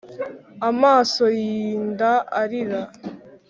amaso yinda, ararira,